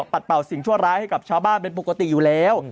ปัดเป่าสิ่งชั่วร้ายให้กับชาวบ้านเป็นปกติอยู่แล้ว